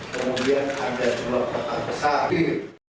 kemudian ada dua kotak besar